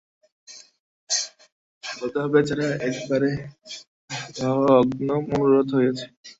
সারদা বেচারা একেবারে ভগ্নমনোরথ হইয়াছে।